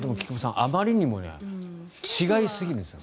あまりにも違いすぎるんです。